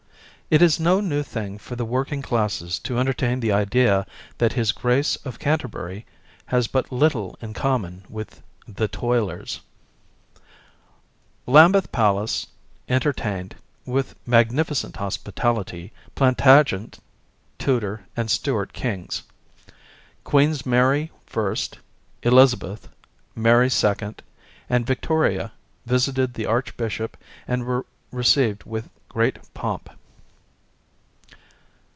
It is no new thing for the working classes to entertain the idea that His Grace of Canterbury has but little in common with "the toilers." Lambeth Palace entertained, with mag nificent hospitality, Plantagenet, Tudor and Stuart kings; Queens Mary I, Eliza beth, Mary II, and Victoria Wsited the 47 Topics of To day BUSY MAN'S CANADA June, 1912 Archbishop and were received with great pomp.